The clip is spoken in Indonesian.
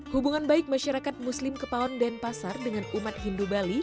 hubungan baik masyarakat muslim kepaon dan pasar dengan umat hindu bali